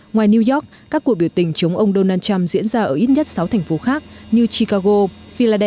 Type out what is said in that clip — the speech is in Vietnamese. ngoài new york các cuộc biểu tình chống ông donald trump diễn ra ở ít nhất sáu thành phố khác như chicago philadesh